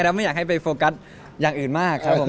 แล้วไม่อยากให้ไปโฟกัสอย่างอื่นมากครับผม